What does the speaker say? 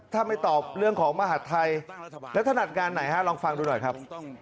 ถ้าไม่ตอบเรื่องของมหาดไทยแล้วถนัดงานไหนฮะลองฟังดูหน่อยครับ